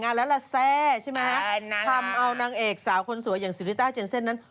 ลาแซ่ใช่ไหมฮะทำเอานางเอกสาวคนสวยอย่างซิริต้าเจนเซ่นนั้น